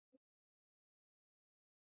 کیمیاګر د امید یو نړیوال پیغام دی.